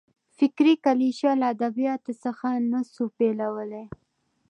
فکري کلیشه له ادبیاتو څخه نه سو بېلولای.